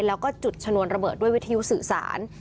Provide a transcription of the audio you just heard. แล้วก็จุดชนวนระเบิดด้วยวิทยุสื่อสาร